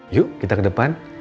yuk kita ke depan